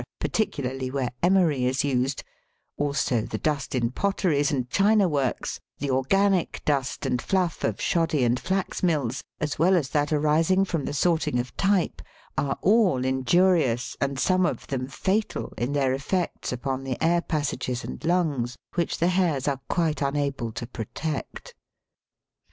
particularly where emery is used ; also the dust in potteries and china works ; the organic dust and fluff of shoddy and flax mills ; as well as that arising from the sort ing of type, are all injurious and some of them fatal in their effects upon the air passages and lungs, which the hairs are quite unable to protect.